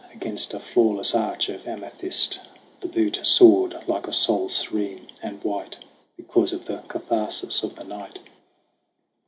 Against a flawless arch of amethyst The butte soared, like a soul serene and white Because of the katharsis of the night.